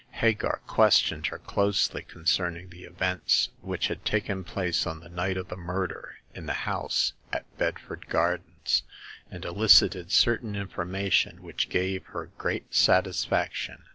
Hagar questioned her closely concerning the events which had taken place on the night of the murder in the house at Bedford Gardens, and elicited certain information which gave her great satisfaction.